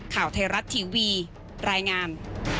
ข่าวไทยรัฐทีวีรายงาน